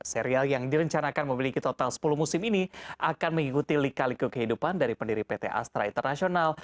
serial yang direncanakan memiliki total sepuluh musim ini akan mengikuti lika liku kehidupan dari pendiri pt astra internasional